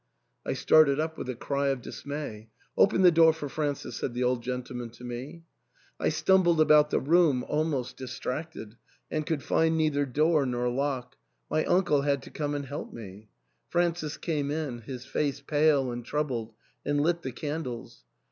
I started up with a cry of dismay. " Open the door for Francis," said the old gentleman to me. I stumbled about the room almost distracted, and could find neither door nor lock ; my uncle had to come and help me. Francis came in, his face pale and troubled, and lit the candles.